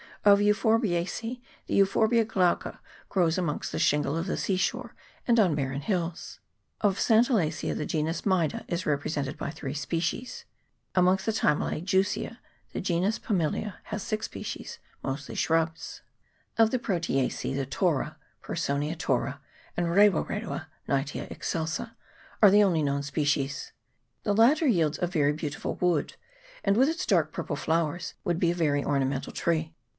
Of Euphorbiacece, the Euphorbia glauca grows amongst the shingle of the sea shore and on barren hills. Of Santalacea, the genus Myda is represented by three species. Amongst the Thymelceai, Jussieu, the genus Pimelea has six species, mostly shrubs. Of the Proteacece, the Tora (Persoonia tora) and Rewa rewa (Knightia excelsa) are the only known species. The latter yields a very beautiful wood, and with its dark purple flowers would be a very ornamental tree.